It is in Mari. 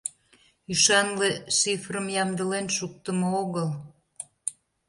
Ӱшанле шифрым ямдылен шуктымо огыл.